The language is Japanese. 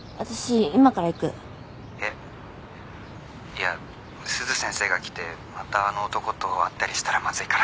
いや鈴先生が来てまたあの男と会ったりしたらまずいから」